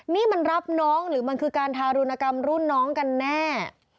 นี่มันรับน้องหรือมันคือการทารุณกรรมรุ่นน้องกันแน่